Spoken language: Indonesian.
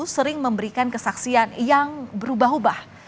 sering memberikan kesaksian yang berubah ubah